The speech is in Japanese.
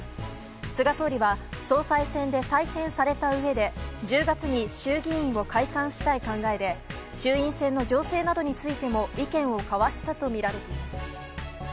菅総理は総裁選で再選されたうえで１０月に衆議院を解散したい考えで衆院選の情勢などについても意見を交わしたとみられています。